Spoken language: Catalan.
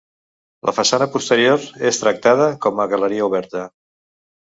La façana posterior és tractada com a galeria oberta.